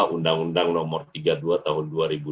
undang undang nomor tiga puluh dua tahun dua ribu dua